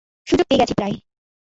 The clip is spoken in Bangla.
সুযোগ পেয়ে গেছি প্রায়।